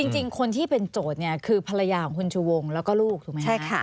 จริงคนที่เป็นโจทย์เนี่ยคือภรรยาของคุณชูวงแล้วก็ลูกถูกไหม